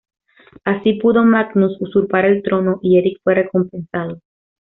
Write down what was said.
Así pudo Magnus usurpar el trono y Erik fue recompensado.